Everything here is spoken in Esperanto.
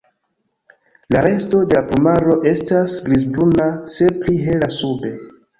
La resto de la plumaro estas grizbruna, se pli hela sube.